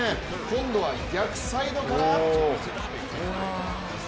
今度は逆サイドから！